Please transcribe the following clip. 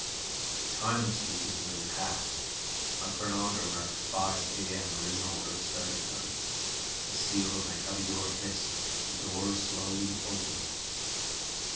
The time of sleep was nearly passed. My chronometer marked five A.M. original Earth starting time. The seal of my cubby door hissed. The door slowly opened.